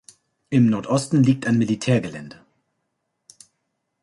Im Nordosten liegt ein Militärgelände.